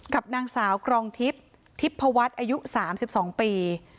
กับนางสาวกรองทิพย์ทิพพวัฒน์อายุ๓๒ปี